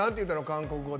韓国語で。